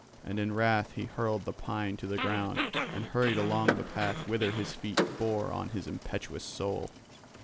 And in wrath he hurled the pine to the ground and hurried along the path whither his feet bore on his impetuous soul.